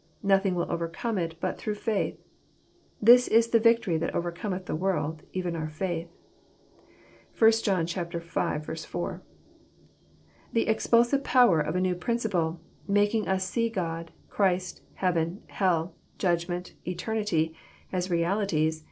Nothing will overcome it but thorough faith. "This is the victory that overcometh the world, even our faith. (1 John v. 4.) The expulsive power of a new principle, making us see God, Christ, heaven, hell, judgment, eternity, as realities.